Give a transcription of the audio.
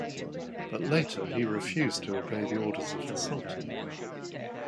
But later he refused to obey the orders of the Sultan.